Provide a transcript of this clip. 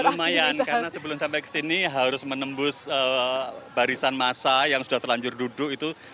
lumayan karena sebelum sampai ke sini harus menembus barisan masa yang sudah terlanjur duduk itu